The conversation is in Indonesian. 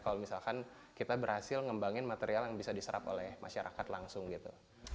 kalau misalkan kita berhasil ngembangin material yang bisa diserap oleh masyarakat langsung gitu